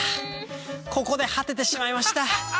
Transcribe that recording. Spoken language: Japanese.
ここで果ててしまいました